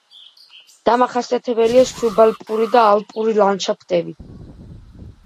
დამახასიათებელია სუბალპური და ალპური ლანდშაფტები.